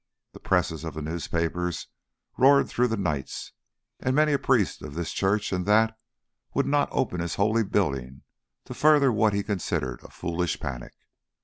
The presses of the newspapers roared through the nights, and many a priest of this church and that would not open his holy building to further what he considered a foolish panic.